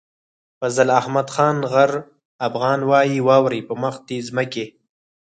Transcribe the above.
فضل احمد خان غر افغان وايي واورئ په مخ د ځمکې.